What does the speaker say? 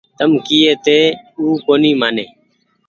تم ڪيئي هيتي او ڪونيٚ مآني